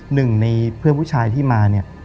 หนึ่งในเพื่อนผู้ชายที่มาเนี่ย